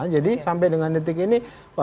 jadi sampai dengan detik ini